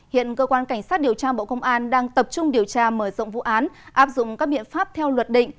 hiện cơ quan cảnh sát điều tra bộ công an đang tập trung điều tra mở rộng vụ án áp dụng các biện pháp theo luật định